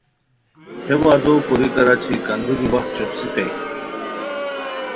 ہے وعدو کوریکار اچی کندوری وخت شوخڅیتائے